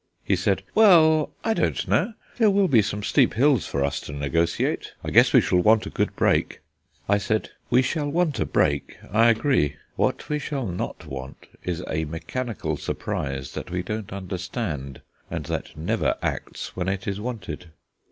He said: "Well, I don't know; there will be some steep hills for us to negotiate; I guess we shall want a good brake." I said: "We shall want a brake, I agree; what we shall not want is a mechanical surprise that we don't understand, and that never acts when it is wanted."